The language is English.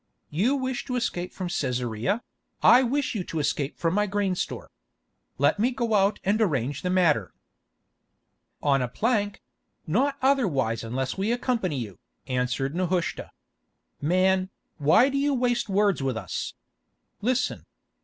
You wish to escape from Cæsarea; I wish you to escape from my grain store. Let me go out and arrange the matter." "On a plank; not otherwise unless we accompany you," answered Nehushta. "Man, why do you waste words with us. Listen.